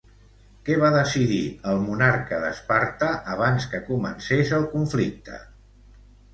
Què va decidir el monarca d'Esparta abans que comencés el conflicte?